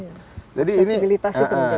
sosibilitas itu penting